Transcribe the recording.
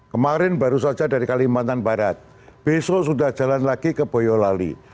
kemarin baru saja dari kalimantan barat besok sudah jalan lagi ke boyolali